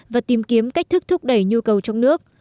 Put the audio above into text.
và tìm kiếm cách thức thúc đẩy nhu cầu trong nước